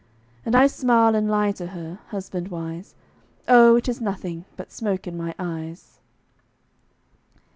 And I smile, and lie to her, husband wise, "Oh, it is nothing but smoke in my eyes."